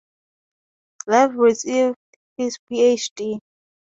Lev received his PhD.